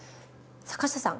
坂下さん